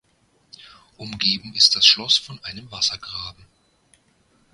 Umgeben ist das Schloss von einem Wassergraben.